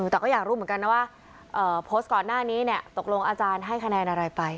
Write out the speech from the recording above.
แต่ก็อยากรู้เหมือนกันนะว่าโพสต์ก่อนหน้านี้ตกลงอาจารย์ให้คะแนนอะไรไป